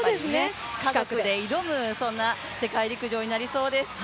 近くで挑む、そんな世界陸上になりそうです。